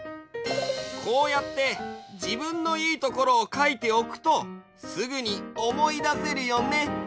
こうやってじぶんのいいところをかいておくとすぐにおもいだせるよね。